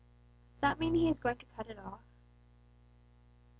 "Does that mean he is going to cut it off?"